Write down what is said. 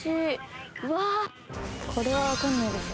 これは分かんないでしょ。